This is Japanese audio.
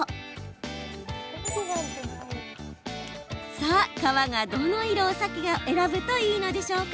さあ皮が、どの色のサケを選ぶといいのでしょうか？